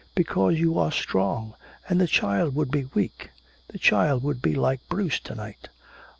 "Because you are strong, and the child would be weak! The child would be like Bruce to night!"